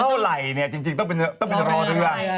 เท่าไหล่เนี่ยจริงต้องเป็นหัวไหล่ด้วยนะ